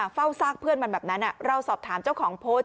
เฝ้าซากเพื่อนมันแบบนั้นเราสอบถามเจ้าของโพสต์